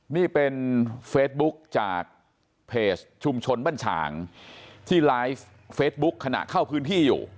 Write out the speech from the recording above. นี่เป็นเฟซบุ๊คจากเพจชุมชนบ้านฉางที่ไลฟ์เฟซบุ๊คขณะเข้าพื้นที่อยู่